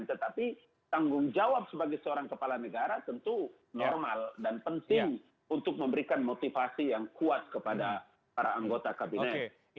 tetapi tanggung jawab sebagai seorang kepala negara tentu normal dan penting untuk memberikan motivasi yang kuat kepada para anggota kabinet